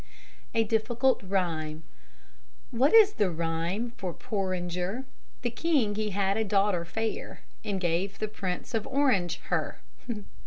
A DIFFICULT RHYME What is the rhyme for porringer? The king he had a daughter fair, And gave the Prince of Orange her.